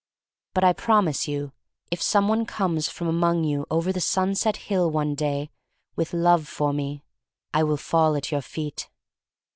But I promise you, if some one comes from among you over the sunset hill one day with love for me, I will fall at your feet.